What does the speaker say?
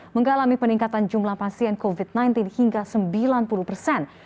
mengalami peningkatan jumlah pasien covid sembilan belas hingga sembilan puluh persen